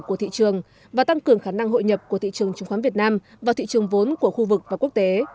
của thị trường và tăng cường khả năng hội nhập của thị trường chứng khoán việt nam vào thị trường vốn của khu vực và quốc tế